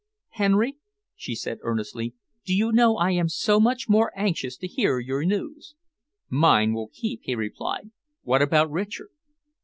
"Henry," she said earnestly, "do you know I am so much more anxious to hear your news." "Mine will keep," he replied. "What about Richard?"